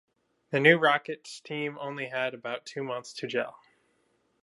The new Rockets team had only had about two months to gel.